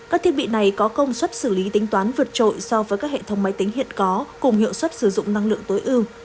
các thiết bị này có công suất xử lý tính toán vượt trội so với các hệ thống máy tính hiện có cùng hiệu suất sử dụng năng lượng tối ưu